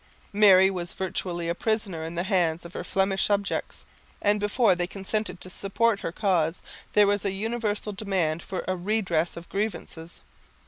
Mary was virtually a prisoner in the hands of her Flemish subjects; and, before they consented to support her cause, there was a universal demand for a redress of grievances.